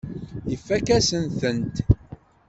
Ifakk-asen-tent.